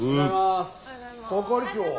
係長。